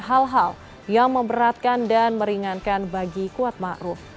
hal hal yang memberatkan dan meringankan bagi kuat ma'ruf